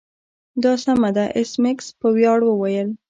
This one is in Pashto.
دا سمه ده ایس میکس په ویاړ وویل